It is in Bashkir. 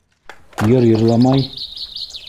Йыр йырламай?